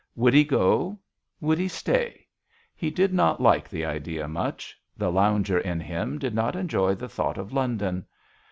Would he go ? would he stay ? He did not like the idea much. The lounger in him did not enjoy the thought of London.